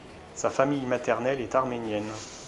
Sa famille maternelle est arménienne.